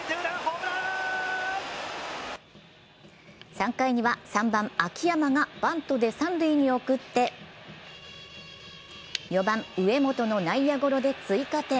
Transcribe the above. ３回には３番・秋山がバントで三塁に送って４番・上本の内野ゴロで追加点。